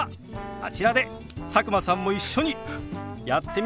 あちらで佐久間さんも一緒にやってみましょう！